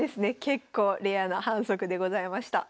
結構レアな反則でございました。